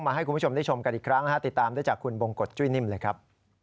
ให้คุณผู้ชมได้ชมกันอีกครั้งติดตามได้จากคุณบงกฎจุ้ยนิ่มเลยครับ